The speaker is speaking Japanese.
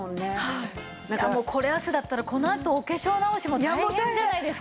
いやもうこれ汗だったらこのあとお化粧直しも大変じゃないですか。